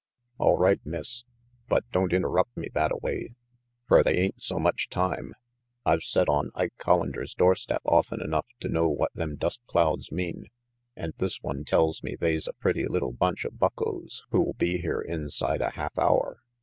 "All right, Miss, but don't interrupt me thatta way, fer they ain't so much time. I've set on Ike (Hollander's doorstep often enough to know what them dust clouds mean, and this one tells me they's a pretty little bunch of buckos who'll be here inside a half hour.